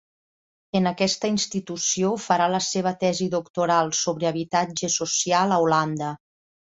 En aquesta institució farà la seva tesi doctoral sobre habitatge social a Holanda.